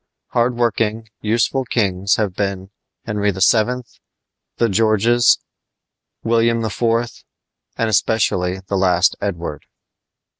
Hard working, useful kings have been Henry VII., the Georges, William IV., and especially the last Edward.